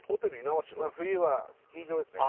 冬はスキー場ですね